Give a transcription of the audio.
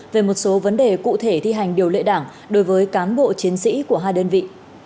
về một số vấn đề cụ thể thi hành điều lệ đảng đối với cán bộ chiến sĩ của hai đơn vị